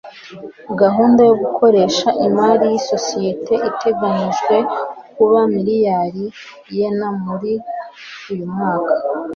Gahunda yo gukoresha imari yisosiyete iteganijwe kuba miliyari yen muri uyu mwaka